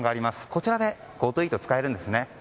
こちらでＧｏＴｏイートが使えるんですね。